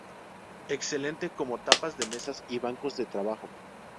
Excelente como tapas de mesas y bancos de trabajo.